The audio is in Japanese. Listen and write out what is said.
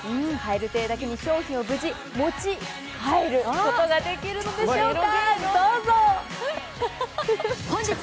蛙亭だけに商品を無事持ちカエルことができるんでしょうか。